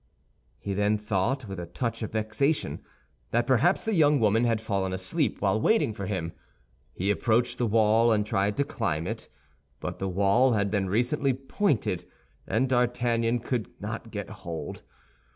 He then thought, with a touch of vexation, that perhaps the young woman had fallen asleep while waiting for him. He approached the wall, and tried to climb it; but the wall had been recently pointed, and D'Artagnan could get no hold.